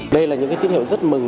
đây là những cái tiết hiệu rất mừng